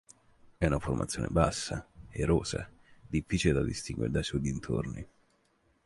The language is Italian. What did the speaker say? È una formazione bassa, erosa, difficile da distinguere dai suoi dintorni.